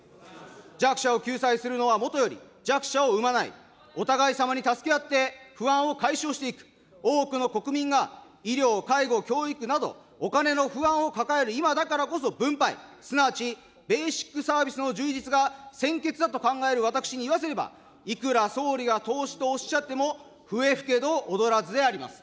弱者を救済するのはもとより、弱者を生まない、お互い様に助け合って、不安を解消していく、多くの国民が医療、介護、教育など、お金の不安を抱える今だからこそ分配、すなわちベーシックサービスの充実が先決だと考える私に言わせれば、いくら総理が投資とおっしゃっても、笛吹けど踊らずであります。